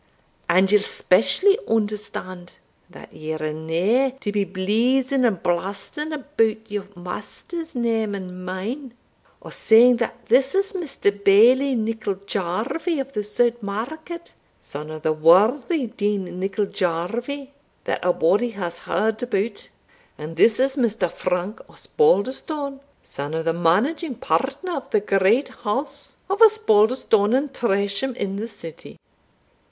And ye'll specially understand that ye're no to be bleezing and blasting about your master's name and mine, or saying that this is Mr. Bailie Nicol Jarvie o' the Saut Market, son o' the worthy Deacon Nicol Jarvie, that a' body has heard about; and this is Mr. Frank Osbaldistone, son of the managing partner of the great house of Osbaldistone and Tresham, in the City."